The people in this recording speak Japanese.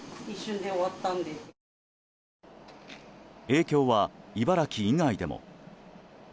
影響は茨城以外でも。